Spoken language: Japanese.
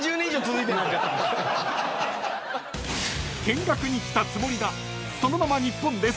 ［見学に来たつもりがそのまま日本で３０年？］